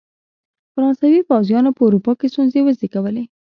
فرانسوي پوځیانو په اروپا کې ستونزې وزېږولې.